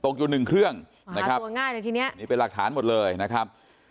อยู่หนึ่งเครื่องนะครับตัวง่ายเลยทีนี้นี่เป็นหลักฐานหมดเลยนะครับ